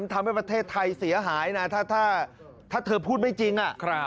ทำให้ประเทศไทยเสียหายนะถ้าเธอพูดไม่จริง